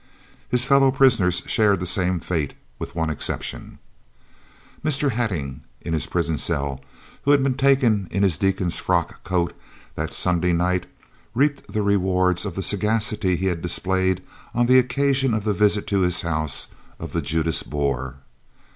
His fellow prisoners shared the same fate, with one exception. Mr. Hattingh in his prison cell, who had been taken in his deacon's frock coat that Sunday night, reaped the rewards of the sagacity he had displayed on the occasion of the visit to his house of the Judas Boer.